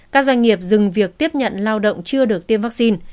các doanh nghiệp dừng việc tiếp nhận lao động chưa được tiêm vaccine